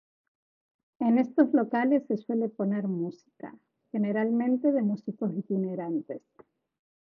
En estos locales se suele poner música, generalmente de músicos itinerantes.